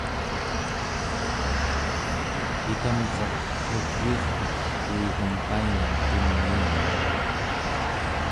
ikamraq agiirtuq kuigem paingan tungiinek